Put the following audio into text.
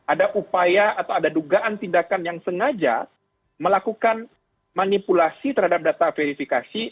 ada upaya atau ada dugaan tindakan yang sengaja melakukan manipulasi terhadap data verifikasi